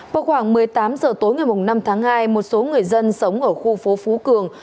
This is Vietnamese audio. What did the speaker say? vào khoảng một mươi tám h tối ngày năm tháng hai một số người dân sống ở khu phố phú cường